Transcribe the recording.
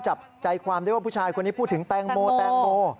จับใจความได้ว่าผู้ชายคนนี้พูดถึงแตงโมแตงโม